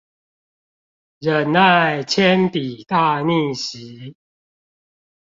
忍耐鉛筆大逆襲